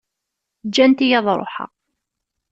Ǧǧant-iyi ad ruḥeɣ.